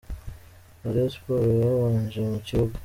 ba Rayon Sports babanje mu kibuga.